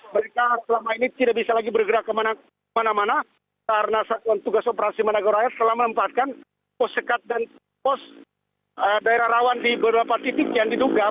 mereka selama ini tidak bisa lagi bergerak kemana mana karena tugas operasi manager raya telah menempatkan pos sekat dan pos daerah rawan di beberapa titik yang diduga